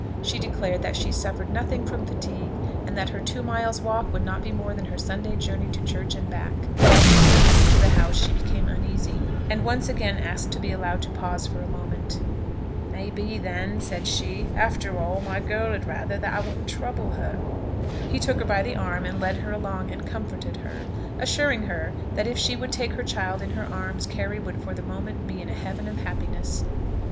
She declared that she suffered nothing from fatigue, and that her two miles' walk would not be more than her Sunday journey to church and back. But as she drew near to the house she became uneasy, and once asked to be allowed to pause for a moment. "May be, then," said she, "after all, my girl'd rather that I wouldn't trouble her." He took her by the arm and led her along, and comforted her, assuring her that if she would take her child in her arms Carry would for the moment be in a heaven of happiness.